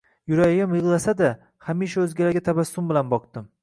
Yuragim yig`lasa-da, hamisha o`zgalarga tabassum bilan boqdim